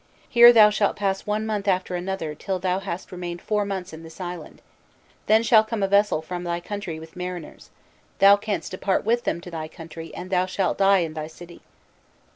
Here thou shalt pass one month after another till thou hast remained four months in this island, then shall come a vessel from thy country with mariners; thou canst depart with them to thy country, and thou shalt die in thy city.